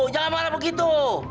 jangan marah begitu